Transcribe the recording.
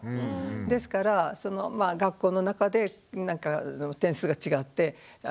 ですから学校の中でなんかの点数が違ってあ